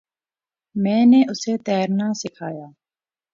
میں نے اسے تیرنا سکھایا۔